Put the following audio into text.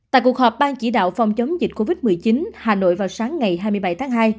tại cuộc họp ban chỉ đạo phòng chống dịch covid một mươi chín hà nội vào sáng ngày hai mươi bảy tháng hai